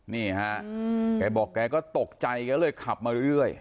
นี่ฮะแกบอกแกก็ตกใจแกเลยขับมาเรื่อย